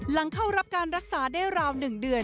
หลังเข้ารับการรักษาได้ราว๑เดือน